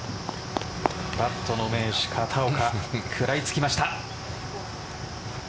パットの名手・片岡食らいつきました。